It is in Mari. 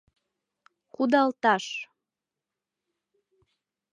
Кудалташ!